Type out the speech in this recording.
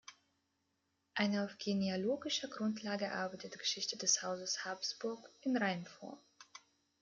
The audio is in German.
Eine auf genealogischer Grundlage erarbeitete Geschichte des Hauses Habsburg in Reimform.